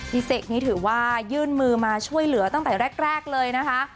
เสกนี่ถือว่ายื่นมือมาช่วยเหลือตั้งแต่แรกเลยนะคะ